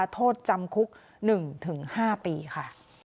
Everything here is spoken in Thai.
โทษจำคุก๑๕ปีค่ะ